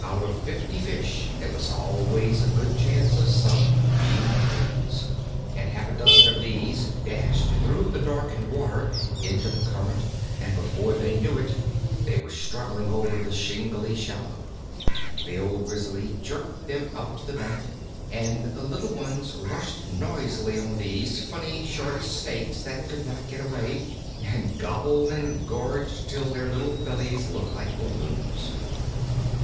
Out of fifty fish there is always a good chance of some being fools, and half a dozen of these dashed through the darkened water into the current, and before they knew it they were struggling over the shingly shallow. The old Grizzly jerked them out to the bank, and the little ones rushed noisily on these funny, short snakes that could not get away, and gobbled and gorged till their little bellies looked like balloons.